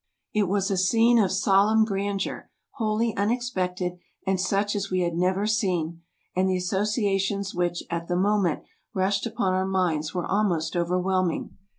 It was a scene of solemn grandeur, wholly unexpected, and such as we had never seen; and the associations which at the moment rushed upon our minds were almost overwhelming.